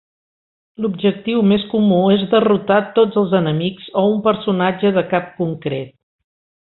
L'objectiu més comú és derrotar tots els enemics o un personatge de cap concret.